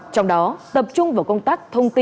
trong đó tập trung vào công tác thông tin